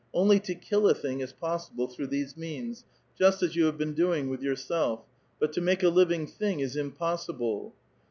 Only to kill a thing is possible through "^^se means, just as you have been doing with yourself, but ^ tnake a living thing is impossible."